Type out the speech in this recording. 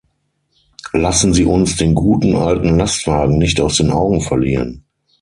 Lassen Sie uns den guten alten Lastwagen nicht aus den Augen verlieren.